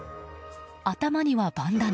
頭にはバンダナ。